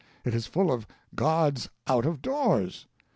It is full of God's out of doors.